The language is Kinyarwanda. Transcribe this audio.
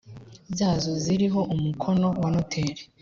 byazo ziriho umukono wa noteri